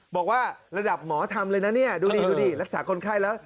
บอกว่าระดับหมอทำเลยนะเนี่ยดูดิดูดิรักษาคนไข้แล้ว